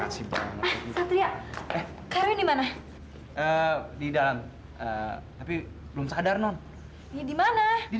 aku sudah menunggu kamu dari kemarin